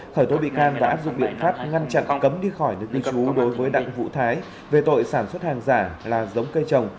khởi tố bị can và áp dụng biện pháp ngăn chặn cấm đi khỏi nước đi chú đối với đặng vũ thái về tội sản xuất hàng giả là giống cây trồng